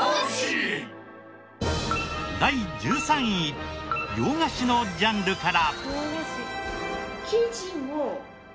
第１３位洋菓子のジャンルから。